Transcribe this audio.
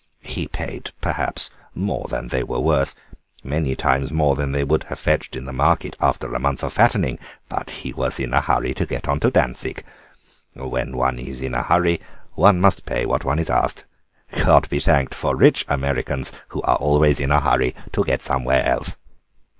He paid perhaps more than they were worth, many times more than they would have fetched in the market after a month of fattening, but he was in a hurry to get on to Dantzig. When one is in a hurry one must pay what one is asked. God be thanked for rich Americans, who are always in a hurry to get somewhere else.